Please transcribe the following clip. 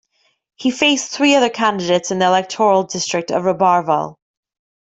He faced three other candidates in the electoral district of Roberval.